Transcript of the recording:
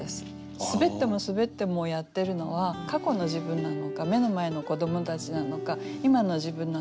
すべってもすべってもやってるのは過去の自分なのか目の前の子どもたちなのか今の自分なのか